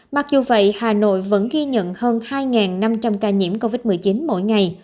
mặc dù vậy hà nội vẫn ghi nhận hơn hai năm trăm linh ca nhiễm covid một mươi chín mỗi ngày